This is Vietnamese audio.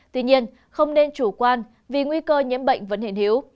tuy nhiên không nên chủ quan vì nguy cơ nhiễm bệnh vẫn hiện hiếu